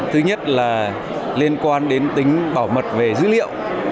thứ nhất là liên quan đến tính bảo mật về dữ liệu